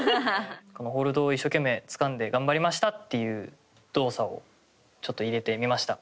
このホールドを一生懸命つかんで頑張りましたっていう動作をちょっと入れてみました。